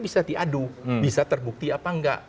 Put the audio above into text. bisa diadu bisa terbukti apa enggak